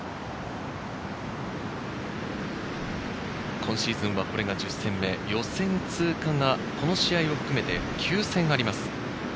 今シーズンはこれが１０戦目、予選通過がこの試合を含めて９戦あります。